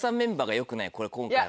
これ今回は。